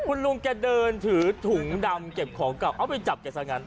คุณลุงแกเดินถือถุงดำเก็บของเก่าเอาไปจับแกซะงั้น